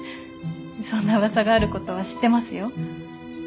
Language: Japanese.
そんな噂がある事は知ってますよ。